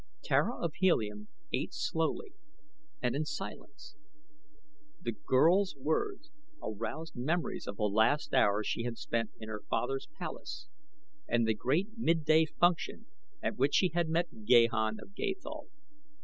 Tara of Helium ate slowly and in silence. The girl's words aroused memories of the last hours she had spent in her father's palace and the great midday function at which she had met Gahan of Gathol.